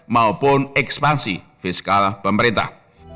maupun ekspansi fiskal pemerintah